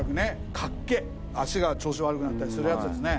脚が調子悪くなったりするやつですね。